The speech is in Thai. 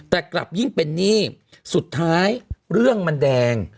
แต่กลับยิ่งเป็นหนี้สุดท้ายเรื่องมันแดง